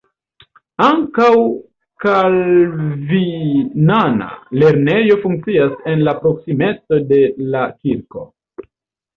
Ankaŭ kalvinana lernejo funkcias en la proksimeco de la kirko.